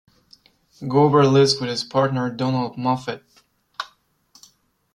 Gober lives with his partner Donald Moffett.